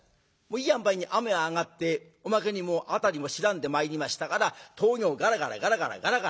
いい塩梅に雨は上がっておまけに辺りも白んでまいりましたから峠をガラガラガラガラガラガラ。